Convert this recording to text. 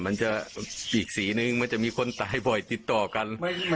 มันจะอีกสีนึงมันจะมีคนตายบ่อยติดต่อกัน